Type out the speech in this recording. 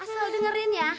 asal dengerin ya